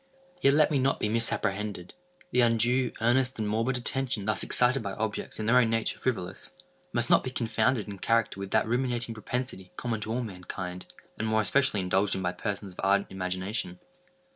Yet let me not be misapprehended. The undue, earnest, and morbid attention thus excited by objects in their own nature frivolous, must not be confounded in character with that ruminating propensity common to all mankind, and more especially indulged in by persons of ardent imagination.